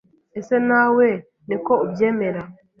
ese nawe niko ubyemera